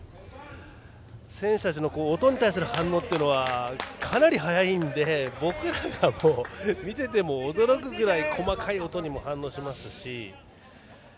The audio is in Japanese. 選手たちの音に対する反応というのはかなり速いんで僕らが見ていても驚くくらい細かい音にも反応しますし。